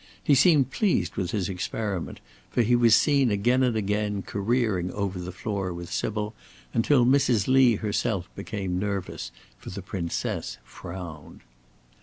He seemed pleased with his experiment, for he was seen again and again careering over the floor with Sybil until Mrs. Lee herself became nervous, for the Princess frowned.